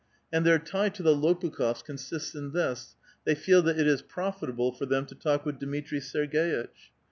And their tie to the Tx)pukh6f8 consists in this : they feel that it is profitable for them to talk with Dmitri Serg^itch.